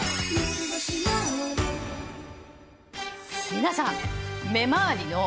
皆さん。